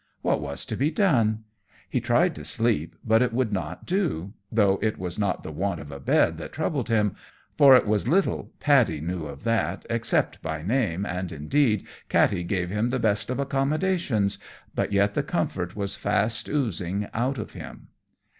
What was to be done? He tried to sleep, but it would not do; though it was not the want of a bed that troubled him, for it was little Paddy knew of that, except by name, and, indeed, Katty gave him the best of accommodation; but yet the comfort was fast oozing out of him.